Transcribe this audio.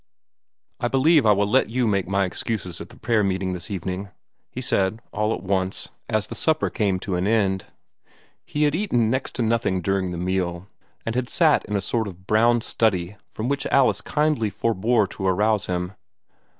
"I believe I will let you make my excuses at the prayer meeting this evening," he said all at once, as the supper came to an end. He had eaten next to nothing during the meal, and had sat in a sort of brown study from which Alice kindly forbore to arouse him.